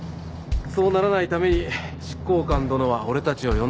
そうならないために執行官殿は俺たちを呼んだのさ。